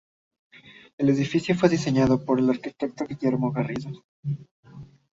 El edificio fue diseñado por el arquitecto Guillermo Garrido.